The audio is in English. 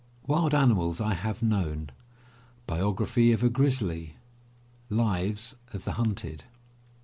Wild Animals I Have Known. Biography of a Grizzly. Lives of the Hunted.